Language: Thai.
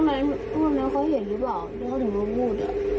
พ่อแม่พ่อแม่เขาเห็นหรือเปล่าหรือเขาถึงมาพูด